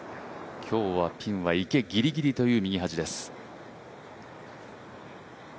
今日はピンは池ギリギリという右端です。